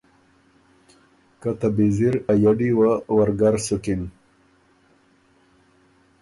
که ته بیزِر ا یډی وه ورګر سُکِن۔